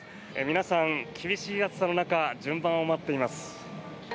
皆さん厳しい暑さの中順番を待っています。